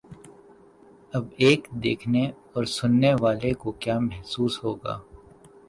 اب ایک دیکھنے اور سننے والے کو کیا محسوس ہو گا؟